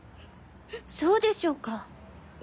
そうでしょうか。